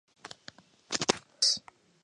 Fe fıurıs?